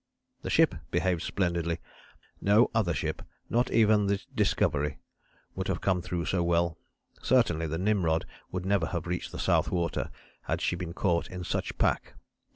"The ship behaved splendidly no other ship, not even the Discovery, would have come through so well. Certainly the Nimrod would never have reached the south water had she been caught in such pack.